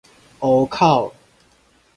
湖口